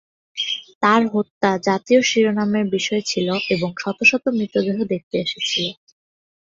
তার হত্যা জাতীয় শিরোনামের বিষয় ছিল এবং শত শত মৃতদেহ দেখতে এসেছিল।